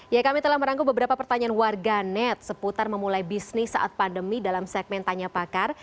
ya kami telah merangkul beberapa pertanyaan warga net seputar memulai bisnis saat pandemi dalam segmen tanya pakar